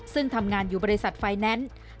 ซึ่งทำงานอยู่บริษัทไฟแนนซ์